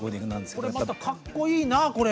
これまたかっこいいなこれ。